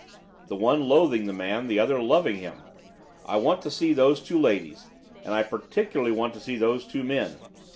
"The one loathing the man, the other loving him. I want to see those two ladies; and I particularly want to see those two men.